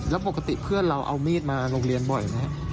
แล้วปกติเพื่อนเราเอามีดมาโรงเรียนบ่อยไหมครับ